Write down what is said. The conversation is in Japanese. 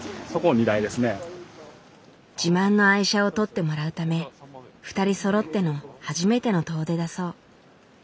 自慢の愛車を撮ってもらうため２人そろっての初めての遠出だそう。